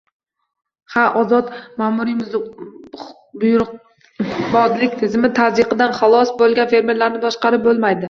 Ha, ozod, ma’muriy buyruqbozlik tizimi tazyiqidan xalos bo‘lgan fermerlarni boshqarib bo‘lmaydi.